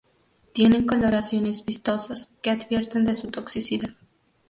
Tienen coloraciones vistosas que advierten de su toxicidad.